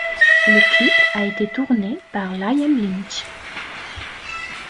Le clip a été tourné par Liam Lynch.